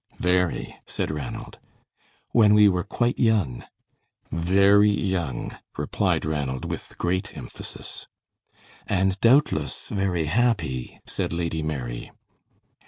"Very," said Ranald. "When we were quite young." "Very young," replied Ranald, with great emphasis. "And doubtless very happy," said Lady Mary.